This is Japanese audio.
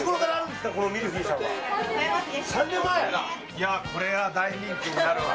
いやこれは大人気になるわな。